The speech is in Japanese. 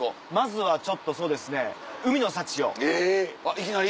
いきなり？